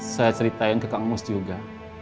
saya ceritain ke kang mus juga